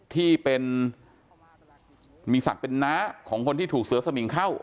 ที่เป็นมีศักดิ์เป็นน้าของคนที่ถูกเสือสมิงเข้า